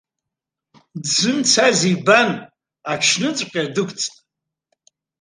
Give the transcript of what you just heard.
Дзымцазеи бан аҽныҵәҟьа дықәҵны?